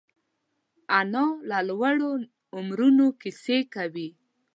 انا له لوړو عمرونو کیسې کوي